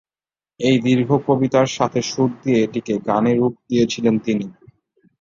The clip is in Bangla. এই দীর্ঘ কবিতার সাথে সুর দিয়ে এটিকে গানে রূপ দিয়েছিলেন তিনি।